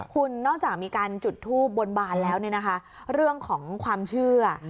คุณนอกจากมีการจุดทูบบนบานแล้วเรื่องของความเชื่อ